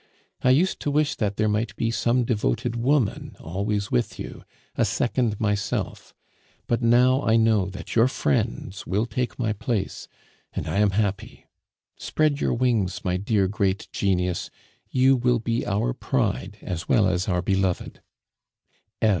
I used to wish that there might be some devoted woman always with you, a second myself; but now I know that your friends will take my place, and I am happy. Spread your wings, my dear great genius, you will be our pride as well as our beloved.